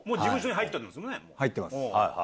入ってます。